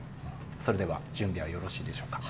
それでは準備はよろしいでしょうか。